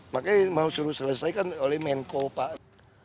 makanya mau suruh selesaikan oleh menko pak